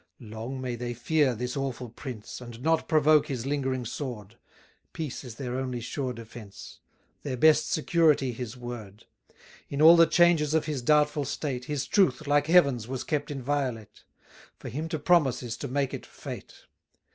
Long may they fear this awful prince, And not provoke his lingering sword; Peace is their only sure defence, Their best security his word: In all the changes of his doubtful state, His truth, like Heaven's, was kept inviolate, For him to promise is to make it fate.